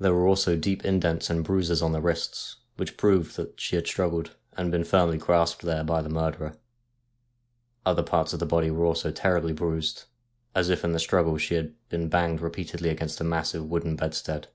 There were also deep indents and bruises on the wrists, which proved that she had struggled and been firmly grasped there by the murderer. Other parts of the body were also terribly bruised, as if in the struggle she had been banged repeatedly against the massive wooden bedstead.